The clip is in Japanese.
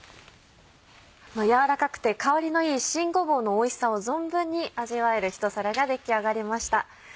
やわらかくて香りのいい新ごぼうのおいしさを存分に味わえる一皿が出来上がりました。